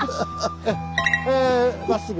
えまっすぐ。